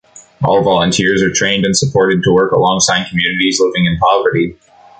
All volunteers are trained and supported to work alongside communities living in poverty.